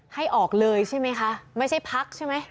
ให้ออกเลยใช่ไหมคะไม่ใช่พักใช่ไหม